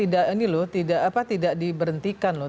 dan ratna itu tidak diberhentikan loh